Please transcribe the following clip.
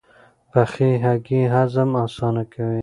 پخې هګۍ هضم اسانه کوي.